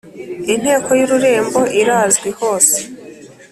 Inteko y Ururembo irazwi hose